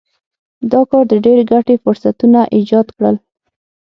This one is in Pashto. دا کار د ډېرې ګټې فرصتونه ایجاد کړل.